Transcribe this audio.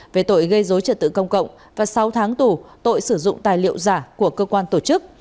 về tội gây dối trật tự công cộng và sáu tháng tù tội sử dụng tài liệu giả của cơ quan tổ chức